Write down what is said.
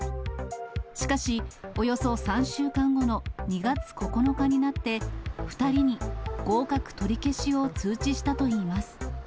しかし、およそ３週間後の２月９日になって、２人に合格取り消しを通知したといいます。